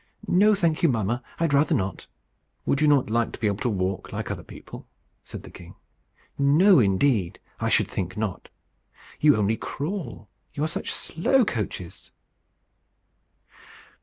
"No, thank you, mamma; I had rather not." "Would you not like to be able to walk like other people?" said the king. "No indeed, I should think not. You only crawl. You are such slow coaches!"